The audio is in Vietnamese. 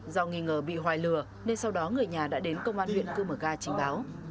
do nghi ngờ bị hoài lừa nên sau đó người nhà đã đến công an huyện cư mở ga trình báo